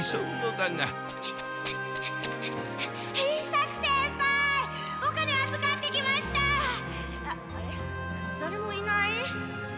だれもいない？